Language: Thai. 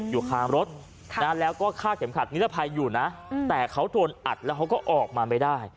อยู่คางรถแล้วก็ฆ่าเข็มขัดนิรภัยอยู่นะแต่เขาโดนอัดแล้วเขาก็ออกมาไม่ได้